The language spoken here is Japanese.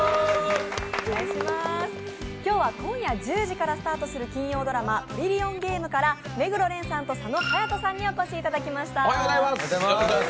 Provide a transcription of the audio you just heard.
今日は今夜１０時からスタートする金曜ドラマ「トリリオンゲーム」から目黒蓮さんと佐野勇斗さんにお越しいただきました。